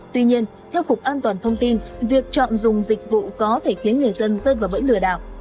tuy nhiên theo cục an toàn thông tin việc chọn dùng dịch vụ có thể khiến người dân rơi vào bẫy lừa đảo